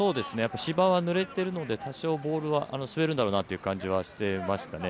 ◆芝はぬれてるので、多少、ボールは滑るんだろうなという感じはしてましたね。